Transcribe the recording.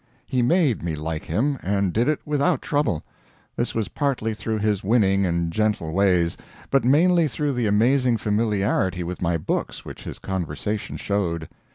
He made me like him, and did it without trouble. This was partly through his winning and gentle ways, but mainly through the amazing familiarity with my books which his conversation showed.